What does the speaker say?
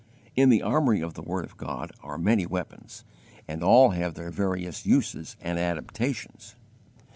In the armory of the word of God are many weapons, and all have their various uses and adaptations.